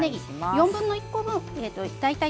４分の１個分です。